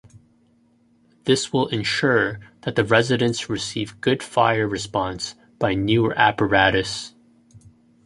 This will ensure that the residents receive good fire response by newer apparatus.